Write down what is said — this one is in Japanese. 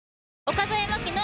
岡副麻希の。